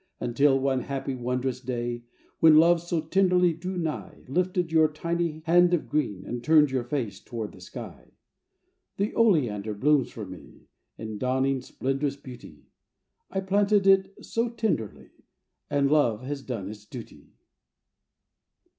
Until one happy wondrous day When love so tenderly drew nigh, Lifted your tiny hand of green And turned your face toward the sky. The oleander blooms for me, In dawning splendrous beauty, 1 planted it so tenderly And love has done its duty.